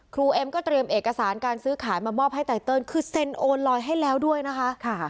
เอ็มก็เตรียมเอกสารการซื้อขายมามอบให้ไตเติลคือเซ็นโอนลอยให้แล้วด้วยนะคะ